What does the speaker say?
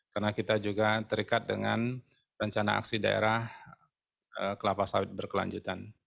karena kita juga terikat dengan rencana aksi daerah kelapa sawit berkelanjutan